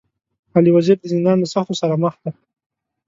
علي وزير د زندان د سختو سره مخ دی.